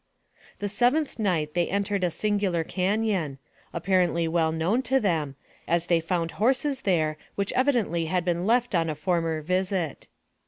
The seventh night they entered a singular canon, apparently well known to them, as they found horses there, which evidently had been left on a former visit.